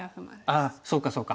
あそうかそうか。